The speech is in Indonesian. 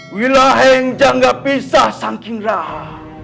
willaheng janggapi sah sangkinraha